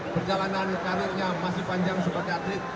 perjalanan karirnya masih panjang sebagai atlet